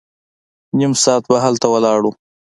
نيم ساعت به هلته ولاړ وو.